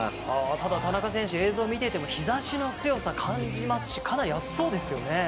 ただ田中選手、映像を見ていて日差しの強さを感じますしかなり暑そうですよね。